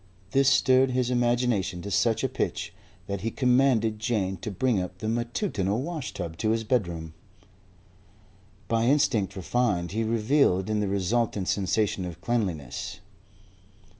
This stirred his imagination to such a pitch that he commanded Jane to bring up the matutinal washtub to his bedroom. By instinct refined he revelled in the resultant sensation of cleanliness.